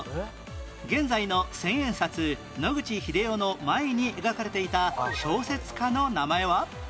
現在の千円札野口英世の前に描かれていた小説家の名前は？